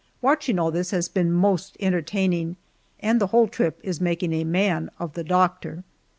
Watching all this has been most entertaining and the whole trip is making a man of the doctor.